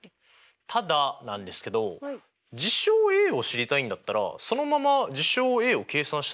ただなんですけど事象Ａを知りたいんだったらそのまま事象Ａを計算したらよくないですか？